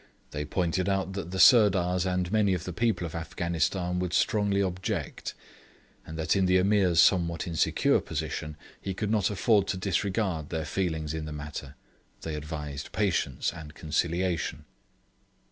They pointed out that the Sirdars and many of the people of Afghanistan would strongly object, and that in the Ameer's somewhat insecure position he could not afford to disregard their feelings in the matter. They advised patience and conciliation.